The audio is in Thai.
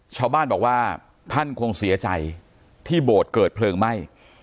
ชาวบ้านบอกว่าท่านคงเสียใจที่โบสถ์เกิดเพลิงไหม้